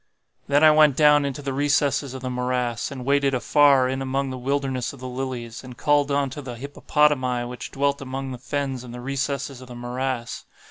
"Then I went down into the recesses of the morass, and waded afar in among the wilderness of the lilies, and called unto the hippopotami which dwelt among the fens in the recesses of the morass.